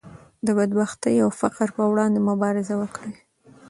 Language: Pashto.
د بدبختۍ او فقر پر وړاندې مبارزه وکړئ.